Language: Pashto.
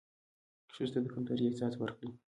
ښځو ته د کمترۍ احساس ورکړى